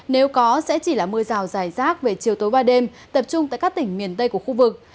nếu có sẽ chỉ là mưa rào dài rác về chiều tối và đêm tập trung tại các tỉnh miền tây của khu vực